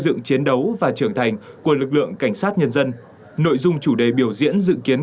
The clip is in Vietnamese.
dựng chiến đấu và trưởng thành của lực lượng cảnh sát nhân dân nội dung chủ đề biểu diễn dự kiến